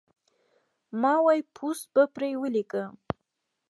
ما وې پوسټ به پرې وليکم